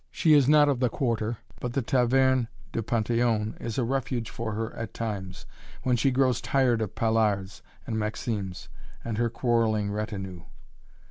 She is not of the Quarter, but the Taverne du Panthéon is a refuge for her at times, when she grows tired of Paillard's and Maxim's and her quarreling retinue.